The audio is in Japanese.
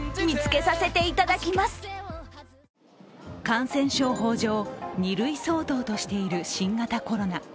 感染症法上２類相当としている新型コロナ。